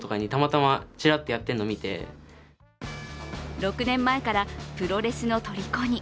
６年前からプロレスのとりこに。